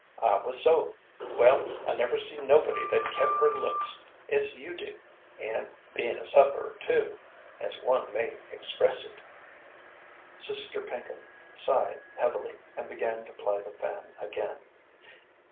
"I was so. Well, I never see nobody that kep' her looks as you do, and be'n a sufferer too, as one may express it." Sister Pinkham sighed heavily, and began to ply the fan again.